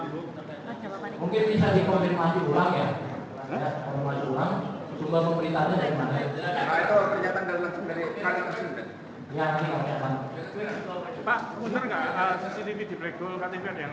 bu dr gini atas penyampaiannya